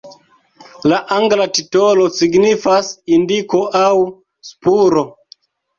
La angla titolo signifas "indiko" aŭ "spuro".